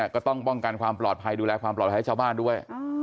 ก็ต้องป้องกันความปลอดภัยดูแลความปลอดภัยให้ชาวบ้านด้วย